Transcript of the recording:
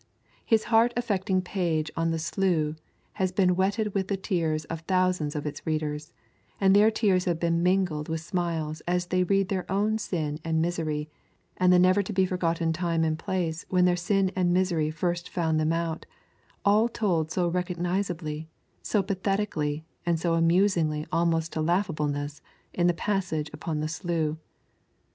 His heart affecting page on the slough has been wetted with the tears of thousands of its readers, and their tears have been mingled with smiles as they read their own sin and misery, and the never to be forgotten time and place where their sin and misery first found them out, all told so recognisably, so pathetically, and so amusingly almost to laughableness in the passage upon the slough.